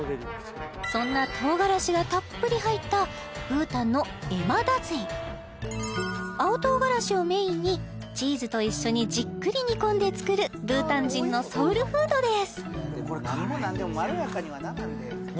そんな唐辛子がたっぷり入ったブータンのエマダツィ青唐辛子をメインにチーズと一緒にじっくり煮込んで作るブータン人のソウルフードです